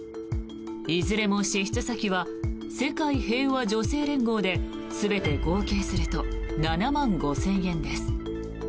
いずれも支出先は世界平和女性連合で全て合計すると７万５０００円です。